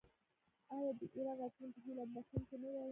آیا د ایران راتلونکی هیله بښونکی نه دی؟